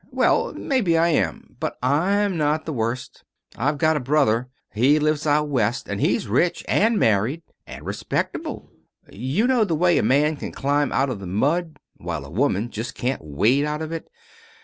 Well, maybe I am. But I'm not the worst. I've got a brother. He lives out West, and he's rich, and married, and respectable. You know the way a man can climb out of the mud, while a woman just can't wade out of it?